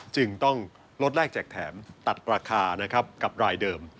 จึงต้องลดแรกแจกแถมตัดราคานะครับกับรายเดิม